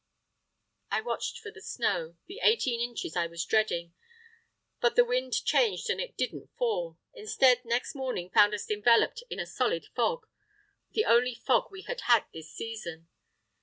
I watched for the snow, the eighteen inches I was dreading; but the wind changed and it didn't fall. Instead, next morning found us enveloped in a solid fog—the only fog we had had this season.